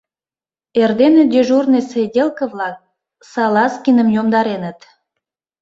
Эрдене дежурный сиделке-влак Салазкиным йомдареныт.